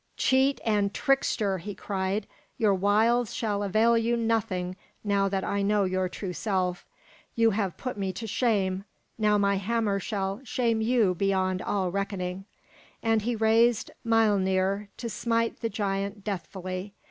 "Cheat and trickster!" he cried, "your wiles shall avail you nothing now that I know your true self. You have put me to shame, now my hammer shall shame you beyond all reckoning!" and he raised Miölnir to smite the giant deathfully.